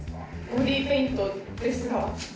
ボディーペイントですが。